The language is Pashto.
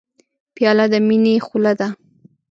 پیاله د مینې خوله ده.